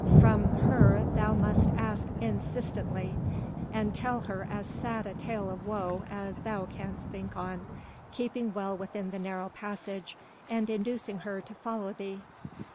From her thou must ask insistently, and tell her as sad a tale of woe as thou canst think on, keeping well within the narrow passage and inducing her to follow thee."